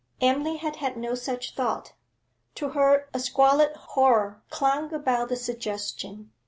Emily had had no such thought. To her a squalid horror clung about the suggestion.